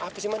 apa sih man